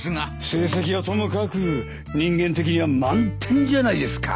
成績はともかく人間的には満点じゃないですか。